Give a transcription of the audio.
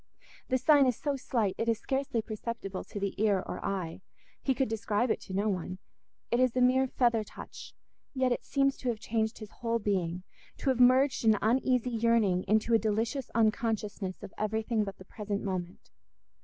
The sign is so slight, it is scarcely perceptible to the ear or eye—he could describe it to no one—it is a mere feather touch, yet it seems to have changed his whole being, to have merged an uneasy yearning into a delicious unconsciousness of everything but the present moment.